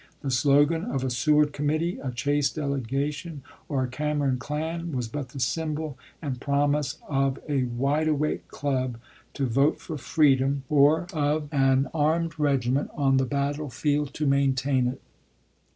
The slogan of a Seward committee, a Chase delegation, or a Cameron clan was but the symbol and promise of a Wide Awake club to vote for freedom, or of an 374 ABRAHAM LINCOLN CH.xxii. armed regiment on the battlefield to maintain it.